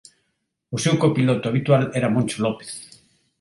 O seu copiloto habitual era Moncho López.